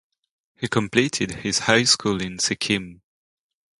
He completed his high school in Sikkim.